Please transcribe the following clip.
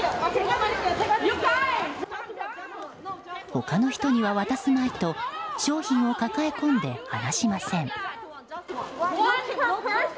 他の人には渡すまいと商品を抱え込んで離しません。